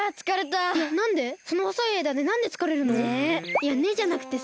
いや「ねっ」じゃなくてさ。